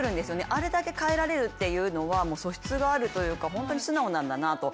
あれだけ変えられるというのは素質があるというか本当に素直なんだなと。